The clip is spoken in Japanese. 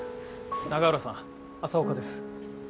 永浦さん朝岡です。